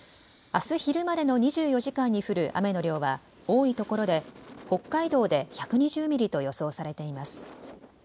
あす昼までの２４時間に降る雨の量は多いところで北海道で１２０ミリと予想されています。